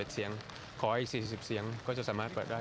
เสียงขออีก๔๐เสียงก็จะสามารถเปิดได้